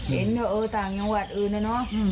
เห็นต่างจังหวัดอื่นแล้วเนอะ